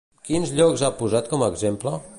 Quins llocs ha posat com a exemple?